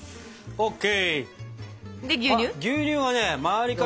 ＯＫ。